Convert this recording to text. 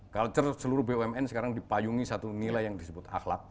culture seluruh bumn sekarang dipayungi satu nilai yang disebut akhlak